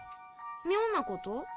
妙なこと？